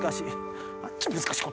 難しい。